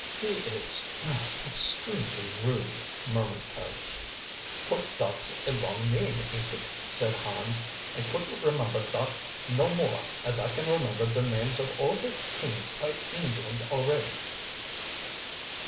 "He is er extremely rude," murmured Tubbs. "Put dot's a long name, ain't it?" said Hans, "I couldn't remember dot no more as I can remember der names of all der kings py England alretty."